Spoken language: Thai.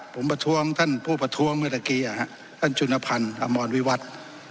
ผมประท้วงท่านผู้ประท้วงเมื่อตะกี้ท่านจุนพันธ์อมรวิวัตร